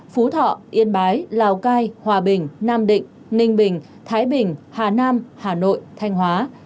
phú thọ yên bái lào cai hòa bình nam định ninh bình thái bình hà nam hà nội thanh hóa